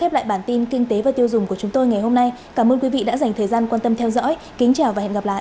khép lại bản tin kinh tế và tiêu dùng của chúng tôi ngày hôm nay cảm ơn quý vị đã dành thời gian quan tâm theo dõi kính chào và hẹn gặp lại